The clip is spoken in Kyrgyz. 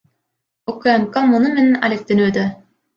УКМК муну менен алектенүүдө.